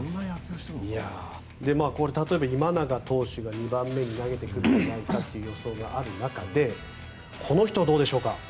これ、例えば今永投手が２番目に投げてくるのではという予想がある中でこの人はどうでしょうか。